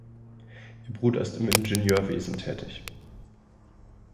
Ihr Bruder ist im Ingenieurwesen tätig.